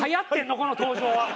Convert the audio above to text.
この登場は。